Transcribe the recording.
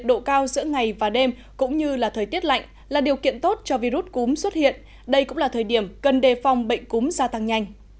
đây cũng là thời điểm cần đề phong bệnh cúm gia tăng nhanh